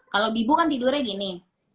kalau bibu kan tidurnya gini